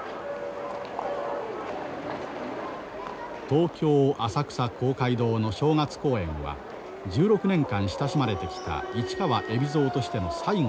東京・浅草公会堂の正月公演は１６年間親しまれてきた市川海老蔵としての最後の舞台である。